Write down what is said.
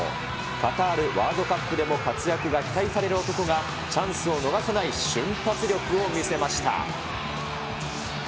カタールワールドカップでも活躍が期待される男が、チャンスを逃さない瞬発力を見せました。